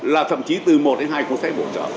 là thậm chí từ một đến hai cuốn sách bổ trợ